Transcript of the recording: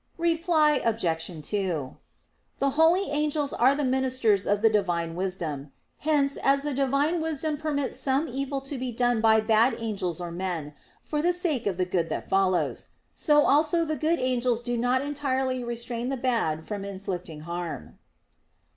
Reply Obj. 2: The holy angels are the ministers of the Divine wisdom. Hence as the Divine wisdom permits some evil to be done by bad angels or men, for the sake of the good that follows; so also the good angels do not entirely restrain the bad from inflicting harm.